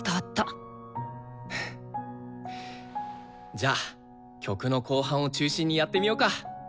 じゃあ曲の後半を中心にやってみようか。